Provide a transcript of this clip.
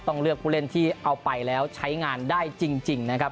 เลือกผู้เล่นที่เอาไปแล้วใช้งานได้จริงนะครับ